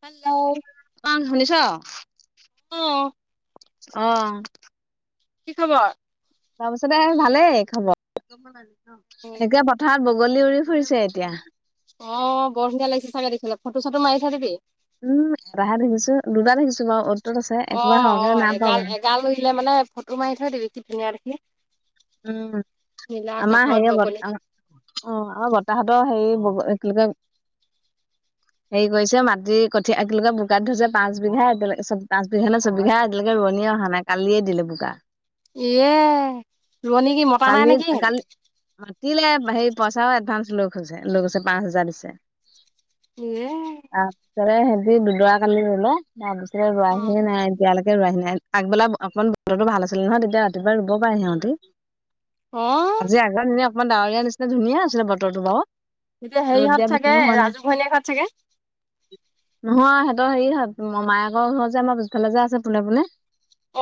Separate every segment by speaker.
Speaker 1: Hello
Speaker 2: অ শুনিছ
Speaker 1: অ
Speaker 2: অহ
Speaker 1: কি খবৰ
Speaker 2: তাৰ পিছতে ভালেই খাব এনেকে পথাৰত বগলী উৰি ফুৰিছে এতিয়া
Speaker 1: অ বঢ়িয়া লাগিছে চাগে দেখিবলে ফটো চটো মাৰি থৈ দিবি
Speaker 2: উম এটাহে থাকিছো দুটা থাকিছো বাৰু ত'ত আছে
Speaker 1: অ
Speaker 2: একেবাৰে সৰহকে
Speaker 1: অ
Speaker 2: নাই পোৱা
Speaker 1: এগাল
Speaker 2: বাৰু
Speaker 1: এগাল উৰিলে মানে ফটো মাৰি থৈ দিবি কি ধুনীয়া দেখি
Speaker 2: উম
Speaker 1: নীলা
Speaker 2: আমাৰ
Speaker 1: আকাশত
Speaker 2: হেয় অ
Speaker 1: বগলী।
Speaker 2: আমাৰ বৰ্তাহতৰ হেৰি বগ এ কি বুলি কয় হেৰি কৰিছে মাটিৰ কঠীয়া একেলগে বোকাত দি থৈছে পাঁচ বিঘা এতিয়াকে চ পচ বিঘা নে ছয়বিঘা এতিয়ালৈকে ৰোৱণী য়ে অহা নাই কালিয়ে দিলে বোকা
Speaker 1: ইয়ে ৰোৱনী কি মতা নাই
Speaker 2: কালি
Speaker 1: নেকি হেৰি?
Speaker 2: কালি মাতিলে হে পইচ চাও এডভান্স লৈ থৈছে লৈ গৈছে পাঁচ হাজাৰ দিছে।
Speaker 1: ইয়ে
Speaker 2: [unintelligible] সিহতি দুদৰা কালি লেকে ৰুলে তাৰ পিছৰে ৰুৱা
Speaker 1: অ।
Speaker 2: সিয়েই নাই এতিয়ালৈক কে ৰুৱাহি নাই আগবেলা অকমান বতৰতো ভাল আছিল নহয় তেতিয়া ৰাতিপুৱাই ৰুব পাৰে সিহঁতি।
Speaker 1: অ
Speaker 2: আজি আগৰ নি অকমান ডাৱৰীয়াাৰ নিচিনা ধুনীয়া আছিলে বতৰটো বাৰু।
Speaker 1: এতিয়া
Speaker 2: ৰ'দ
Speaker 1: হেৰিহঁত
Speaker 2: দিয়া বেছি
Speaker 1: চাগে
Speaker 2: হোৱা নাই
Speaker 1: ৰাজু ঘৈনীয়েহঁত চাগে!
Speaker 2: নহয় সিহতৰ হেৰি হয় মোমায়েকৰ ঘৰ যে আমাৰ পিছফালে যে আছে পোনে পোনে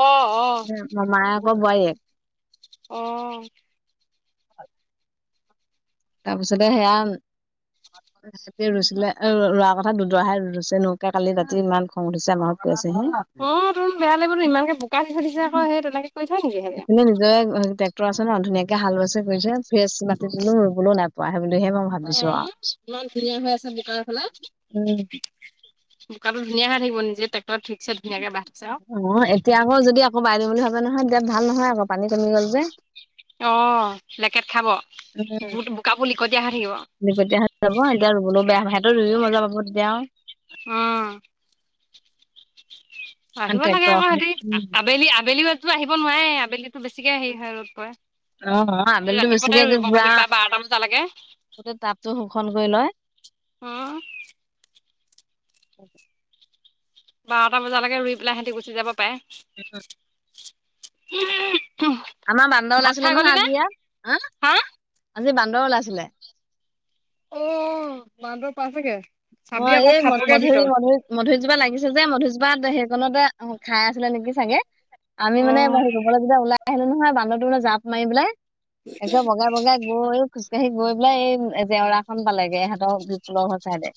Speaker 1: অহ অহ।
Speaker 2: মমায়েকৰ বোৱাৰীয়েক।
Speaker 1: অহ
Speaker 2: [inaudible] তাৰপিছতে সেয়া তে ৰুইছিলে ৰোৱাৰ কথা দুদৰাহে ৰুছে নোকে কালি ৰাতি ইমান খং উঠিছে আমাৰত কৈ আছে হে
Speaker 1: অ তোন বেয়া লাগিব তো ইমানকে বোকা দি থৈ দিছে আকৌ সেই তেনেকে কৰি থয় নেকি
Speaker 2: [unintelligible]
Speaker 1: সেয়া।
Speaker 2: আছে ন ধুনীয়াকে হাল বছে গৈছে ফেস মাতি ৰুবলৈও নাপোৱা বুলি
Speaker 1: উম ইমান ধুনীয়া হৈ আছে বোকা এই ফালে।
Speaker 2: উম
Speaker 1: বোকাটো ধুনীয়াহে থাকিব নিজে তাক
Speaker 2: অ এতিয়া আকৌ যদি আকৌ বাই দিম বুলি ভাব নহয় ইয়াত ভাল নহয় আক পানী কমি গ'ল যে।
Speaker 1: অ লেকেট খাব। বুট
Speaker 2: উম
Speaker 1: বোকাবোৰ
Speaker 2: [unintelligible]
Speaker 1: লিকটীয়া থাকিব
Speaker 2: হৈ যাব এতিয়া ৰুবলৈ বেয়া ভ [unintelligible]
Speaker 1: উম
Speaker 2: আৰু
Speaker 1: আহিব লাগে
Speaker 2: ট্ৰেক্টৰ
Speaker 1: আকৌ
Speaker 2: এখন
Speaker 1: সিহতি আবেলি আবেলি আহিব নোৱাৰে আবেলিতো বেছিকে সেই হয় ৰদ
Speaker 2: অ',
Speaker 1: পৰে।
Speaker 2: আবেলিতো
Speaker 1: ৰাতিপুৱাতে
Speaker 2: বেছিকে পুৰা
Speaker 1: বাহিৰ বা-বা-বাৰটা বজালৈকে।
Speaker 2: গোটেই টাবটো শোষণ কৰি লয়।
Speaker 1: অহ',
Speaker 2: [inaudible]
Speaker 1: বাৰটা বজালৈকে ৰুই পেলাই সিহঁতি গুচি যাব পাৰে।
Speaker 2: [unintelligible]
Speaker 1: [unintelligible]
Speaker 2: আমাৰ বান্দৰ
Speaker 1: ভাত খাই
Speaker 2: ওলাইছিলে
Speaker 1: গলি
Speaker 2: নহয়
Speaker 1: নে
Speaker 2: আজি ইয়াত হ'
Speaker 1: হা
Speaker 2: আজি বান্দৰ ওলাইছিলে।
Speaker 1: অ, বান্দৰ পা
Speaker 2: অ, এই মধ-মধুুৰি মধুৰি মধুৰৰিজোপা লাগিছে যে মধুৰজোপাত সে কোনোমতে খাই আছিলে নেকি চাগে আমি
Speaker 1: অ
Speaker 2: মানে হে কবলৈ যেতিয়া ওলাই আহিলো নহয় বান্দৰটো মানে জাপ মাৰি পেলাই একে বগাই-বগাই গৈ খোজ তে হেই গৈ পেলাই এই জেওৰাখন পালেগে ইহতৰ বিপুলৰ ঘৰত ছাইদে।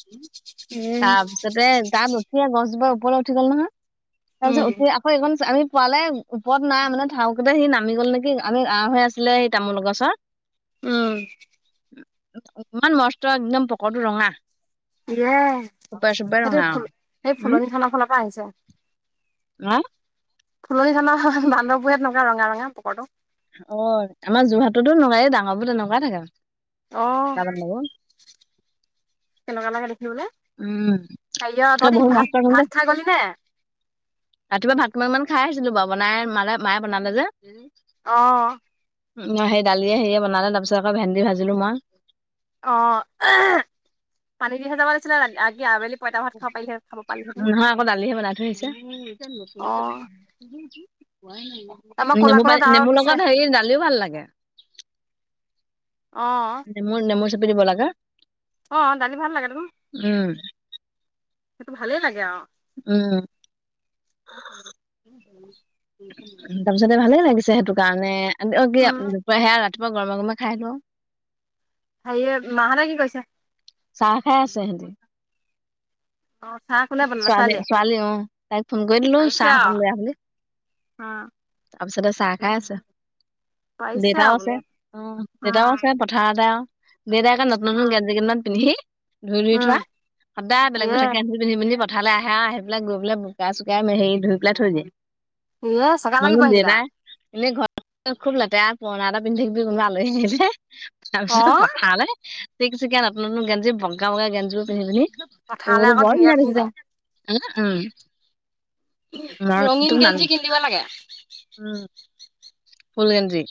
Speaker 1: উম
Speaker 2: তাৰ পিছতে তাত উঠিয়ে গছজোপাৰ ওপৰলৈ উঠি গ'ল নহয়। তাৰপিছত
Speaker 1: উম
Speaker 2: উঠি আকৌ এইখনচ আমি পোৱালে ওপৰত নাই মানে ধাউকিপা সি নামি গল নেকি আমি আ হৈ আছিলে সি তামোল গছৰ।
Speaker 1: উম,
Speaker 2: ইমান মস্ত একদম পকৰটো ৰঙা।
Speaker 1: ইয়ে
Speaker 2: চুপে চুপে
Speaker 1: সেইটো
Speaker 2: ৰঙা
Speaker 1: ফুল
Speaker 2: আৰু।
Speaker 1: সে
Speaker 2: উম
Speaker 1: ফুলনিখনৰ ফালৰ পৰা আহিছে।
Speaker 2: অ
Speaker 1: ফুলনি চানৰ বান্দবোৰে তেনেকুৱা ৰঙা -ৰঙা পুকৰটো।
Speaker 2: অ, আমাৰ যোৰহাটতো এনেকুৱাই ডাঙৰ বোৰ তেনেকুৱাই থাকে।
Speaker 1: অ,
Speaker 2: বান্দৰবোৰ
Speaker 1: কেনেকুৱা লাগে দে কি বোলে
Speaker 2: উম
Speaker 1: কাইলে অ, তহঁতি
Speaker 2: বহুত মস্ত গোন্ধ
Speaker 1: ভাত-ভাত খাই গলি নে?
Speaker 2: ৰাতিপুৱা ভাত [unintelligible] মান খাই আহিছিলো বাৰু বনাই মালে মায়ে বনালে যে উম,
Speaker 1: অ
Speaker 2: অ সেই দালিয়ে হেয়ে বনালে তাৰ পিছত আকৌ ভেন্দি ভাজিলো মই
Speaker 1: অ পানী দিহ যাব লাগছিলেি আবেলি পইতা ভাত খাব পাৰিলে খাব পাৰিলিহেঁতেন।
Speaker 2: নহয় আকৌ দালিহে বনাই থৈছে।
Speaker 1: অ আমাৰ ক'লা
Speaker 2: নেমু
Speaker 1: ক'লা
Speaker 2: পানী
Speaker 1: ডাৱৰ
Speaker 2: নেমুৰ
Speaker 1: উঠিছে।
Speaker 2: লগত হেৰি দালিও ভাল লাগে।
Speaker 1: অ'
Speaker 2: নেমুৰ - নেমুৰ চাপেৰি ব'লা গা
Speaker 1: অ, দালি ভাল লাগে ত।
Speaker 2: উম,
Speaker 1: সেইটো ভালেই লাগে আৰু।
Speaker 2: উম, তাৰ পিছতে ভালে লাগিছে সেইটো কাৰণে অ, কি
Speaker 1: উম,
Speaker 2: সেয়া ৰাতিপুৱা গৰমে - গৰমে খাই লো
Speaker 1: হেয়ে মাহানে কি কৈছে।
Speaker 2: চাহ খাই আছে সিহতে।
Speaker 1: অ' চাহ কোনে বনালে
Speaker 2: ছোৱালী
Speaker 1: ছোৱালীয়ে?
Speaker 2: - ছোৱালী অ, তাইক ফোন কৰি দিলো চাহ অক বেয়া বুলি।
Speaker 1: আহ,
Speaker 2: তাৰপিছতে চাহ খাই আছে
Speaker 1: পাৰিছে আৰু
Speaker 2: দেউতাও
Speaker 1: বোলো
Speaker 2: আছে অ, দেউতাও
Speaker 1: অ'
Speaker 2: আছে পথাৰতে আৰু দেউতাকে নতুন - নতুন
Speaker 1: উম।
Speaker 2: গেঞ্জীেইমান পিন্ধি ধুই - ধুই
Speaker 1: উম,
Speaker 2: থোৱা সদায় বেলেগ -
Speaker 1: ইয়ে
Speaker 2: বেলেগ গঞ পিন্ধি পথাৰলৈ আহে আৰু আহিেলাই গৈ পেলাই বুকাই চুোকাই হেৰি ধু পেলাই থৈ দিয়ে।
Speaker 1: ইয়ে চেগা লাগিব
Speaker 2: ন
Speaker 1: সেইকেইটা।
Speaker 2: দেতাই এনেই ঘৰত খুব লেতেৰা পুৰণা এটা পিন্ধিাকিবি কোনোবা আলহী আহিলে তাৰ পিছত
Speaker 1: অ'
Speaker 2: পথাৰলৈ। পিক চে আপন গঞ্জ বগা - বগা গেঞ্জী পিন্ধি - পিন্ধি।
Speaker 1: কথলে
Speaker 2: বাল হ উম, মই
Speaker 1: ৰঙীন
Speaker 2: তুমি নাল
Speaker 1: গেঞ্জি কিনি দিব লাগে।
Speaker 2: উম, ফুল গেঞ্জী।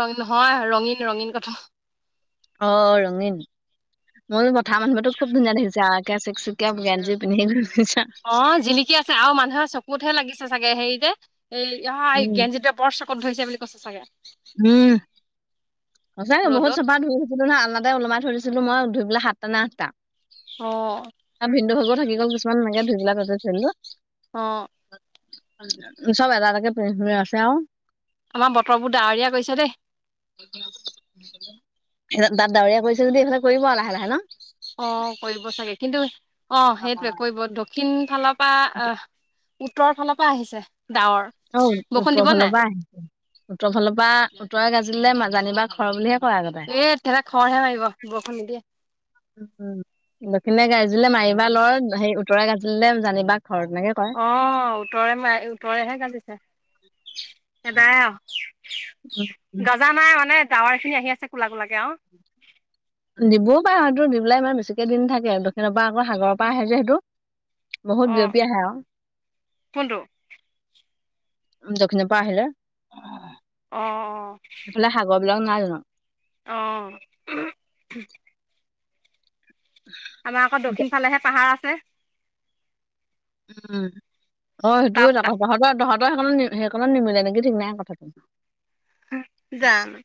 Speaker 1: ৰ নহয় ৰঙীন - ৰঙীন কথা
Speaker 2: অ, ৰঙীন মোৰ কথা মানুহবো খুব ধুনীয়া দেখিছে আৰু। চেক সেকিয় গেঞ্জী পিন্ধি ফুৰিছে
Speaker 1: অ, জিনিকি আছে আৰু মানুহৰ চকুতহে লাগিছে চাগে হেৰিতে। এই অ, এই
Speaker 2: উম
Speaker 1: গঞ্জিপ বৰ চকত ধৰিছে বুলি কৈছে চাগে।
Speaker 2: উম, সচ বহুত
Speaker 1: ৰ'দত
Speaker 2: চপা ধুই থুলো নহ আলনাতে ওলমাই থই দিছিলো। ছিলো মই ধুইবেলা সাতটা না আঠটা
Speaker 1: অ
Speaker 2: আৰু ভিন্দু ভাগো থাকি গ'ল গ মান মনেকে ধুবলাকজ থলো।
Speaker 1: অ',
Speaker 2: চব এটা একে প্ৰ আছে আৰু।
Speaker 1: আমাৰ বতৰ বোৰ ডাৱৰীয়া কৰিছে দেই।
Speaker 2: তাত ডাৱৰীয়া কৰিছেদি এইফালে কৰিব আৰু লাহে - লাহে ন।
Speaker 1: অ, কৰিব চাগে কিন্তু অ, সেইটোৱে কৰিব দক্ষিণ ফালৰ প আহ উত্তৰৰ ফালৰ পৰা আহিছে। ডাৱৰ
Speaker 2: অ,
Speaker 1: বৰষুণ
Speaker 2: উত্তৰ
Speaker 1: দিব
Speaker 2: ফালৰ
Speaker 1: নাই
Speaker 2: পৰা আহি উত্তৰ ফালৰ পৰা উত্তৰে গাজিলোজানিবা ঘৰ বুলিহে কয় আগতে।
Speaker 1: এ- এতিৰা খৰহে মাৰিব বৰষুণ নিদিয়ে।
Speaker 2: উম - উম দক্ষিণে গাৰ্জুলে মাৰিবা লৰ সেই উত্তৰে গাৰ্জিলে জানিবা। খৰ তেনেকে কয়।
Speaker 1: অ, উত্তৰে ম উত্তৰেহে গাজিছে। সটাই অ, গজা নাই মানে গাৱৰ খিনি আহি আছে কোলা কোলাকে অ,
Speaker 2: দিবও পাৰে হয়েইটো দি পেলাই ইমান বেছিকে দিন থাকে দক্ষিণৰ পৰা আকৌ সাগৰৰ পৰা আহি যে সেইটো
Speaker 1: অ
Speaker 2: বহুত জপিয় আহে অ,
Speaker 1: কোনটো
Speaker 2: দক্ষিণৰ পৰা আহিলে।
Speaker 1: অ - অ।
Speaker 2: হ্ল নাজো।
Speaker 1: অহ ', আমাৰ আকৌ দক্ষিণ ফালেহে পাহাৰ আছে।
Speaker 2: উম, অ, সেইটোয়ে
Speaker 1: তাত
Speaker 2: যাবা তাহতৰ দহ সেইখনক নি সেইখনত নিমিলে নেকি ঠিক নাই কথাটো।
Speaker 1: [unintelligible] জানো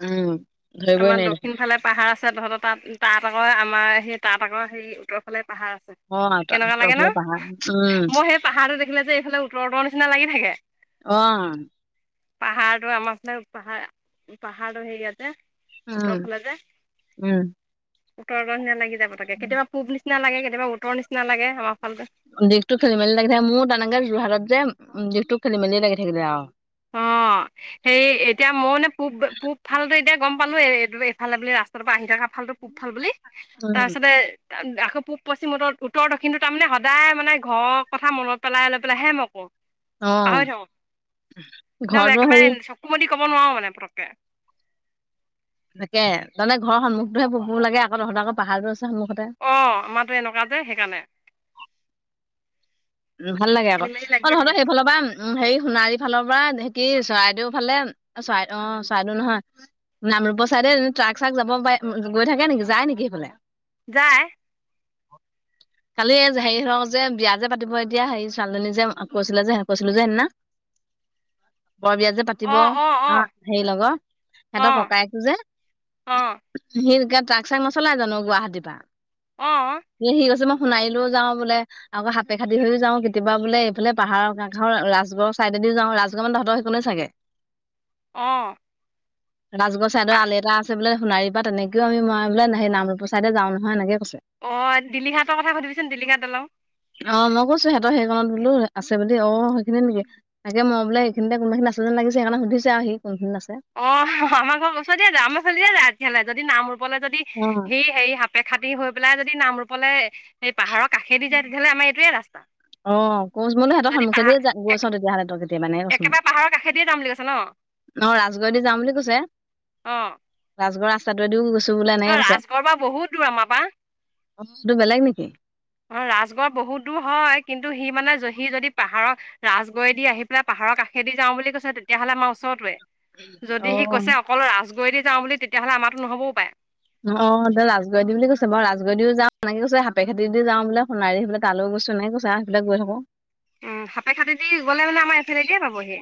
Speaker 2: উম ধৰিবই
Speaker 1: আমাৰ
Speaker 2: নোৱাৰি দেখোন
Speaker 1: দক্ষিণ ফালে পাহাৰ আছে তহঁতৰ তাত তাঁত আকৌ আমাৰ সেই তাঁত আকৌ সেই উত্তৰফালে পাহাৰ আছে
Speaker 2: অ
Speaker 1: কেনেকুৱা
Speaker 2: উত্তৰ
Speaker 1: লাগে ন
Speaker 2: ফালে পাহাৰ উম
Speaker 1: মই সেই পাহাৰটো কেলে যে এইফালে উত্তৰ নিচনা লাগি থাকে
Speaker 2: অ',
Speaker 1: পাহাৰটো আমাৰ ফালে পাহাৰ পাহাৰটো হেৰিয়াত যে উত্তৰ ফালে যে
Speaker 2: উম-উম
Speaker 1: উত্তৰ [unintelligible] লাগি যায় পটেকে কেতিয়াবা পূব নিচিনা লাগে কেতিয়াবা উত্তৰ নিচনা লাগে আমাৰ ফাললৈ
Speaker 2: দিশটো খেলি মেলি লাগি থাকে মোৰ তেনেকে যোৰহাটত যে উম দিশটো খেলি মেলি লাগি থাকিলে আৰু
Speaker 1: অ', সেই এতিয়া মই মানে পূব পূব ফালটো এতিয়া গম পালো এ এই এইফালে বুলি ৰাস্তাৰ পৰা আহি থকা ফালটো পূব ফাল বুলি
Speaker 2: উম।
Speaker 1: তাৰপিছতে ত আকৌ পূব পশ্চিম উত্তৰ দক্ষিণটো তাৰমানে সদায় মানে ঘৰ কথা মনত পেলাই লৈ পেলাইহে মই কওঁঁ
Speaker 2: অ',
Speaker 1: একদম
Speaker 2: ঘৰতো হেৰি
Speaker 1: একেবাৰে চকু মদি কব নোৱাৰো মানে পতককে
Speaker 2: তাকে তানে ঘৰ সন্মুখটোৱে পূব পূব লাগে আকৌ তহঁত আকৌ পাহাৰতো আছে সন্মুখতে।
Speaker 1: অ', আমাৰটো এনেকুৱা যে সেইকাৰণে
Speaker 2: উ ভাল লাগে আকৌ
Speaker 1: খেলি মেলি
Speaker 2: অ',
Speaker 1: লাগিয়ে থাকে
Speaker 2: তহতৰ সেইফালৰ পৰা উম হেৰি সোণাৰী ফালৰ পৰা নেকি চৰাইদেউ ফালে চৰাইদেউ অ', চৰাইদেউ নহয় নামৰূপৰ ছাইডে ট্ৰাক চ্ৰাকাব পাৰে গৈ থাকে নেকি যায় নেকি সেইফালে
Speaker 1: যায়
Speaker 2: খালি হেৰি হওঁ যে বিয়া যে পাতিব এতিয়া হেৰি ছোৱালীজনী যে কৈছিলা যে কৈছিলো যে সেইদিনা বৰ বিয়া যে পাতিব অ', হেৰি লগত
Speaker 1: অ
Speaker 2: সিহঁতৰ ককায়েকটো যে
Speaker 1: অ
Speaker 2: সি ট্ৰাক চাক নচলাই জানো গুৱাহাটীৰ পৰা
Speaker 1: অ
Speaker 2: সি সি গৈছে ন সোনাৰিলেও যাওঁ বোলে আকৌ খাপে খাপেখাটি হৈ যাওঁ কেতিয়াবা বোলে এইফালে পাহাৰৰ কাৰ ৰাজগড়ৰ ছাইডেদি যাওঁ ৰাজগড় মানে তহতৰ সেইফালে চাগে [unintelligible]
Speaker 1: অ',
Speaker 2: [unintelligible] ৰাজগড় চাইদৰ
Speaker 1: পাহ
Speaker 2: আলি এটা আছে বো সোণাৰীৰ পৰা তেনেকেও আমি মই বোলে সেই নামৰূপ চাইদে যাওঁ নহয় এনেকে কৈছে
Speaker 1: অ', দিলীহাটৰ কথা সুধিবিচোন দিলীঙা দলং
Speaker 2: অ', মই কৈছো সিহঁতৰ সেই কণত বোলো আছে বুলি অ', সেইখিনি নেকি তাকে মই বোলে এইখিনিতে কোনোবাখিনিত আছে লাগিছে সেইকাৰণে সুধিছে আৰু সি কোনখিনিত আছে
Speaker 1: অ', আমাৰ ঘৰ ওচৰেদি যায় আমাৰ ফাল দিয়ে যায় যদি নামৰূপ নামৰূপলৈ যদি
Speaker 2: অ
Speaker 1: সি হেৰি সাপেখাাটি হৈ পেলাই যদি নামৰূপলৈ স পাহাৰৰ কাষে দি যায় তেতিয়া হ'লে আমাৰ এইটোৱে ৰাস্তা
Speaker 2: অ', [unintelligible] মানে সিহঁত
Speaker 1: যদি
Speaker 2: সন্মুখেদি য
Speaker 1: পাহাৰ
Speaker 2: গৈছ তেতিয়া হ'লে কেতিয়াবানে কৈছো
Speaker 1: একেবাৰে পাহাৰৰ [unintelligible] ন
Speaker 2: ৰাজগড়দি যাম বুলি কৈছে ৰাজগড়ৰ ৰাস্তাটোদিও গৈছে ত বোলে এনেকে
Speaker 1: নহয়
Speaker 2: কৈছে
Speaker 1: ৰাজগড় বা বহুত দূৰ আমাৰ পৰা
Speaker 2: বস্তুটো বেলেগ নেকি?
Speaker 1: অ ৰাজগড় বহুত দূৰ হয় কিন্তু সি মানে সি যদি পাহাৰক ৰাজগড়েদি আহি পেলাই পাহাৰৰ কাষেদি যাওঁ বুলি কৈছে তেতিয়াহ'লে আমাৰ ওচৰতে
Speaker 2: অ
Speaker 1: যদি সি কৈছে অকল ৰাজগড় দি যাওঁ বুলি তেতিয়াহ'লে আমাৰো নহ'বও পায়
Speaker 2: অ', এ বুলি কৈছে বাৰ ৰাজগড় দি যাওঁ মেক কি কৈছে [unintelligible] যা বোলে সোনাৰিদি তালো। [unintelligible] গৈ থাকো
Speaker 1: উ খাপেখাটিদি গ'লে মানে আমাৰ এইফালেদিয়ে পাবহি।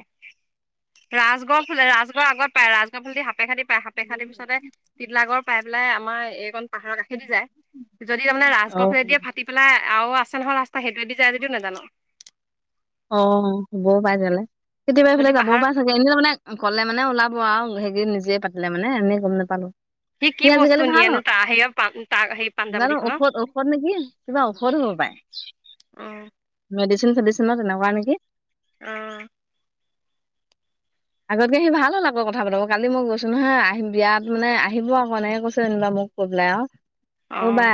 Speaker 1: ৰাজগড় ফালে ৰাজগড় আগত পায় ৰাজগড় ফালেদি সাপে খাদি পায় সাপে খাটিৰ পিছতে তিলা গড় পাই পেলাই আমাৰ এইকন পাহাৰৰ কাষেদি যায় যদি
Speaker 2: অ
Speaker 1: ৰাজগড় ফালেদি ফাটি পেলাই আৰু আছে নহয় ৰাস্তা সেইটোৱেদি যায় যদিও নাজানো।
Speaker 2: [unintelligible] পাই যালে কেতিয়াবা এইফালে
Speaker 1: যদি
Speaker 2: যাবও
Speaker 1: পাহাৰ
Speaker 2: পৰা হলে মানে গলে মানে ওলাব আৰু। নিজে পাতিলে মানে এনে গম নাপালো।
Speaker 1: কি
Speaker 2: সি
Speaker 1: বস্তু
Speaker 2: আজিকালি ভাল
Speaker 1: নিয়েনো
Speaker 2: হয়
Speaker 1: তাৰ সেয়া তাৰ সেই পাঞ্জাবাৰী
Speaker 2: জানো
Speaker 1: খনৰ
Speaker 2: ঔষধ-ঔষধ নেকি কিবা ঔষধ হল।
Speaker 1: অ
Speaker 2: মেডিচিন চেডিচনৰ তেনেকুৱা নেকি?
Speaker 1: অ,
Speaker 2: আগতকে সি ভাল হ'ল আকৌ কথা পাতাব কালি মই গৈছো নহয় আহিম বিয়াত মানে আহিব আক এনেকৈছে যেনিবা মোক। মোক কৈ পেলাই আৰু
Speaker 1: অ
Speaker 2: কোনবা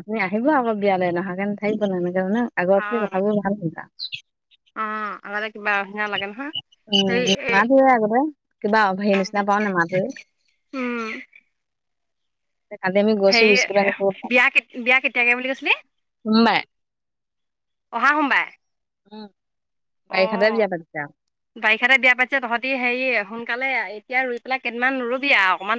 Speaker 2: আপুনি আহিব আকৌ বিয়ালৈ নহাকে নাথাকিব। [unintelligible] আগত কথাবোৰ ভাল না
Speaker 1: অ' আগতে কিবা হ লাগে নহা সেই এ
Speaker 2: মায়ে আগতে কিবা অভি হেৰি নিচিনা পাও নেমাতুৱ।
Speaker 1: উম হে বিয়া কে বিয়া কেতিয়াকে বুলি কৈছিলি?
Speaker 2: সোমবাৰে
Speaker 1: অহা সোমবাৰে।
Speaker 2: উম,
Speaker 1: অ
Speaker 2: বাৰিষাতে বিয়া পাতিছে আৰু
Speaker 1: বাৰিষাতে বিয়া পাতিছে তহঁতি হেৰি সোনকালে এতিয়া ই পাই কেইদমান ৰ'বি অকণমান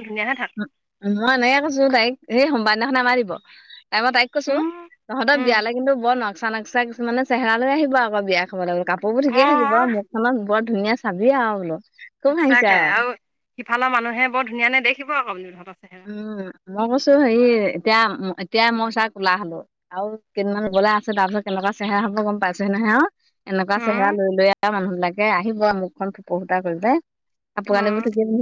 Speaker 2: ম নাই কৈছো তাইক সেই সোমবাৰ দিনাখন আমাৰ দিব। তাই মই তাইক কৈছো
Speaker 1: উম
Speaker 2: নহত
Speaker 1: উম
Speaker 2: বিয়ালৈ কিন্তু বৰ ন নচা নাক্চাছুমানে চেহে লৈ আহিব আকৌ বিয়া খাবলে‌ কাপোৰ
Speaker 1: অ
Speaker 2: ঠিকেই থাকিব আৰু মুখখনত বৰ ধুনীয়া চাবি আৰু বোলো। খুব হাঁহিছে
Speaker 1: সঁচাকে আৰু সিফালৰ মানুহে বৰ ধুনীয়া নেদেখিব আকৌ বুলি ভাবো।
Speaker 2: উম, মই কৈছো হেৰি এতিয়া এতিয়াই মই চাক ওলা হ'লো আৰু কেইদিনান ৰুবলে আছে তাৰপিছত কেনেকা চেহে হব গম পাইছহি নহে আৰু। এনেকুৱা
Speaker 1: উম
Speaker 2: চেহেৰা লৈ-লৈ আৰু মানুহ বিলাকে আহিব আৰু মুখখন পক ত কৰিপেলাই। কাপোৰ আনিব
Speaker 1: উম
Speaker 2: পিন্ধি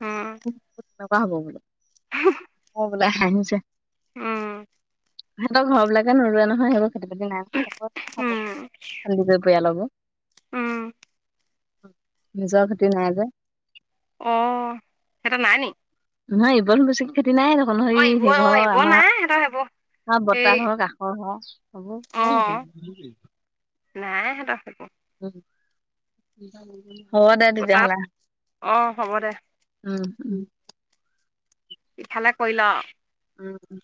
Speaker 1: উম
Speaker 2: তেনেকুৱা হব বোলো অ
Speaker 1: [inaudible]
Speaker 2: বোলে হাঁহিছে।
Speaker 1: উম,
Speaker 2: [unintelligible] ঘৰবাকে নোৰুোৱোৱা নহয় সেইবোৰ খেতি বাতি নাই নহয় সেইব হব
Speaker 1: উম
Speaker 2: সন্দি পৰিয়ালবো
Speaker 1: উম
Speaker 2: [unintelligible] নিজৰ খেতি নাই যে।
Speaker 1: অ' সেইটা নাই নি?
Speaker 2: নহয়বন বছিক [inaudible] নাই দেখোন হৰি
Speaker 1: অ এইবোৰ অ
Speaker 2: সেইঘৰ
Speaker 1: এইবোৰ নাই সিহঁতৰ সেইবোৰ
Speaker 2: আমাৰ
Speaker 1: এই
Speaker 2: বতাত হওক কাষৰ হওক অ [inaudible]
Speaker 1: নাই সিহঁতৰ সেইবো।
Speaker 2: উম, হ'ব দে
Speaker 1: তাত
Speaker 2: তেতিয়াহলে
Speaker 1: অ হ'ব দে
Speaker 2: উম-উম।
Speaker 1: ইফালে কৰি ল।
Speaker 2: উম,